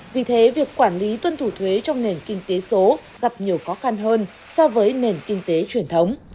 vì thế việc quản lý tuân thủ thuế trong nền kinh tế số gặp nhiều khó khăn hơn so với nền kinh tế truyền thống